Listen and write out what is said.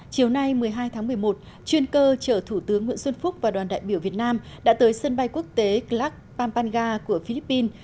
chiều nay một mươi hai tháng một mươi một chuyên cơ chở thủ tướng nguyễn xuân phúc và đoàn đại biểu việt nam đã tới sân bay quốc tế klak pampanga của philippines